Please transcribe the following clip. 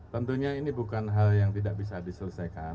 tentunya ini bukan hal yang tidak bisa diselesaikan